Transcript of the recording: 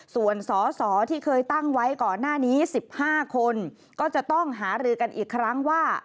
ส่วนสอสอที่เคยตั้งไว้ก่อนหน้านี้๑๕คนก็จะต้องหารือกันอีกครั้งว่า